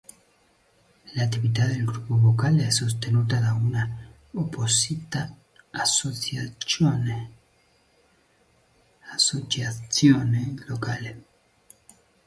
L'attività del gruppo vocale è sostenuta da una apposita associazione locale.